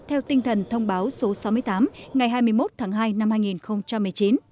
theo tinh thần thông báo số sáu mươi tám ngày hai mươi một tháng hai năm hai nghìn một mươi chín